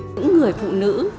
những người phụ nữ